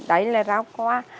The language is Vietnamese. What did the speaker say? đấy là rau có